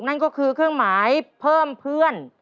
นั่นก็คือเครื่องหมายเพิ่มเพื่อน